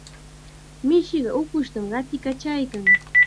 Mishiqa ukushtam qatiykachaykan.